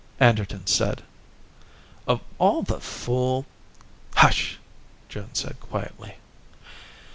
Anderton said, "Of all the fool " "Hush!" Joan said quietly.